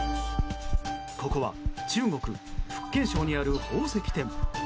ここは中国・福建省にある宝石店。